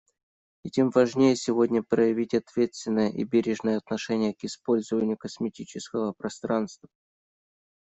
И тем важнее сегодня проявлять ответственное и бережное отношение к использованию космического пространства.